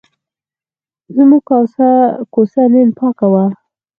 زموږ کوڅه نن پاکه وه.